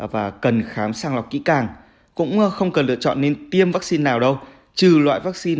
và cần khám sang lọc kỹ càng cũng không cần lựa chọn nên tiêm vaccine nào đâu trừ loại vaccine